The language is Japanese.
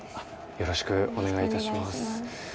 よろしくお願いします。